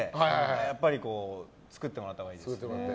やっぱり作ってもらったほうがいいですね。